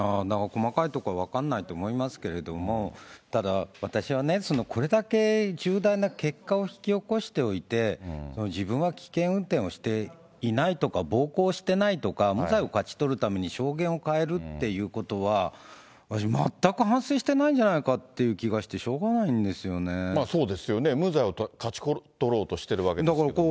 なんか細かいところは分からないと思いますけど、ただ私はね、これだけ重大な結果を引き起こしておいて、自分は危険運転をしていないとか、暴行してないとか、無罪を勝ち取るために証言を変えるっていうことは、私、全く反省してないんじゃないかっていう気がしてしょうがないんでそうですよね、無罪を勝ち取ろうとしてるわけですから。